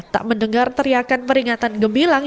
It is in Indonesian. tak mendengar teriakan peringatan gemilang